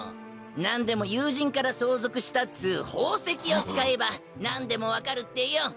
なんでも友人から相続したっつぅ宝石を使えばなんでも分かるってよ。